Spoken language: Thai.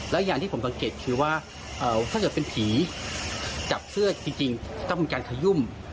และอย่างที่ผมสังเกตคือว่าถ้าเกิดเป็นผีจับเสื้อจริงต้องมีการขยุ่ม